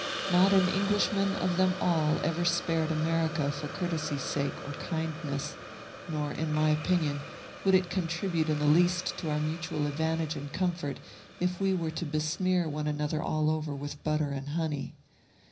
Not an Englishman of them all ever spared America for courtesy's sake or kindness; nor, in my opinion, would it contribute in the least to our mutual advantage and comfort if we were to besmear one another all over with butter and honey.